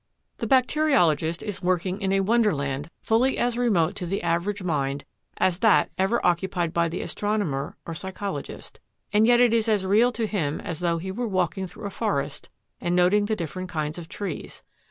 The bacteriologist is working in a wonderland fully as remote to the average mind as that ever occupied by the astronomer or psychologist; and yet it is as real to him as though he were walking through a forest and noting the different kinds of trees.